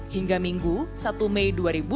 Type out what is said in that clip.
hingga minggu satu mei dua ribu dua puluh